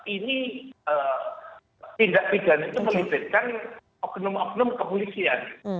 ini tindak pidana itu melibatkan oknum oknum kepolisian